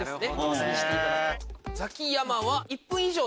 図にしていただくと。